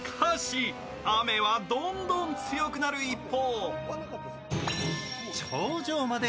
しかし、雨はどんどん強くなる一方。